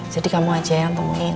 jadi kamu aja yang temuin